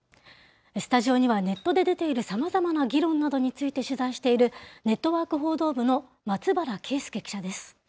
スタジオにはネットで出ているさまざまな議論などについて取材している、ネットワーク報道部の松原圭佑記者です。